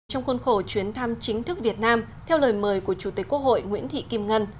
trong khuôn khổ chuyến thăm chính thức việt nam theo lời mời của chủ tịch quốc hội nguyễn thị kim ngân